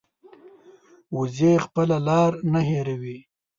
وزې خپله لار نه هېروي